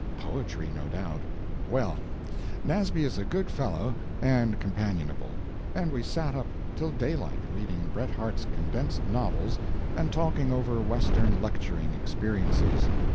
Poetry, no doubt. Well, Nasby is a good fellow, and companionable, and we sat up till daylight reading Bret Harte's Condensed Novels and talking over Western lecturing experiences.